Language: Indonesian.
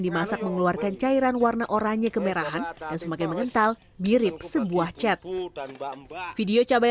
dimasak mengeluarkan cairan warna oranye kemerahan dan semakin mengental mirip sebuah chat video cabai